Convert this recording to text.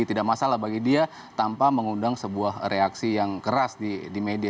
tidak masalah bagi dia tanpa mengundang sebuah reaksi yang keras di media